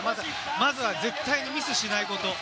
まずは絶対にミスしないこと。